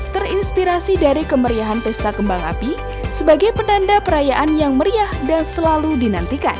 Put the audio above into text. terinspirasi dari kemeriahan pesta kembang api sebagai penanda perayaan yang meriah dan selalu dinantikan